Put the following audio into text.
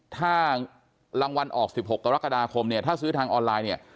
ถ้ารางวัลออก๑๖กรกฎาคมเนี่ยถ้าซื้อทางออนไลน์เนี่ย